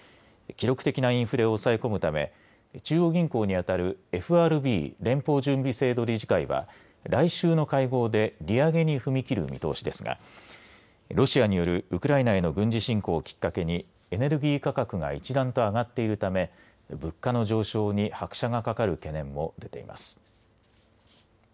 記録的なインフレを抑え込むため中央銀行に当たるＦＲＢ、連邦準備制度理事会は来週の会合で利上げに踏み切る見通しですがロシアによるウクライナへの軍事侵攻をきっかけにエネルギー価格が一段と上がっているため物価の上昇に拍車がかかる懸念も出ています。